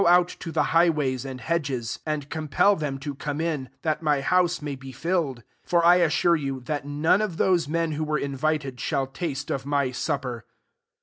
out to the highways and hedges. € LUKE XV. isr and compel • them to come in ; that my house may be filled. 24 For I assure you, that none of those men who were invited shall taste of my supper.'